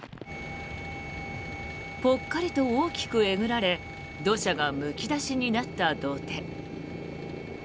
ぽっかりと大きくえぐられ土砂がむき出しになった土手。